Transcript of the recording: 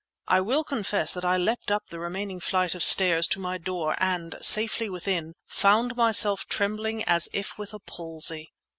I will confess that I leapt up the remaining flight of stairs to my door, and, safely within, found myself trembling as if with a palsy.